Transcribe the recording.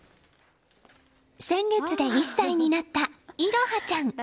先月で１歳になった彩羽ちゃん。